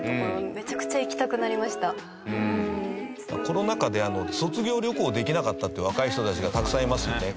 コロナ禍で卒業旅行できなかったって若い人たちがたくさんいますよね。